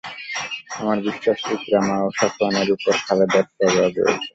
আমার বিশ্বাস, ইকরামা এবং সফওয়ানের উপর খালিদেরই প্রভাব রয়েছে।